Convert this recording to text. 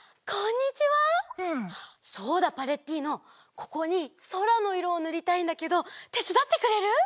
ここにそらのいろをぬりたいんだけどてつだってくれる？